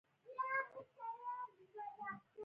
• د حوض څنګ ته کښېنه او اوبه ته وګوره.